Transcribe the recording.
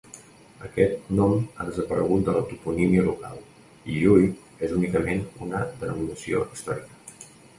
Aquest nom ha desaparegut de la toponímia local, i hui és únicament una denominació històrica.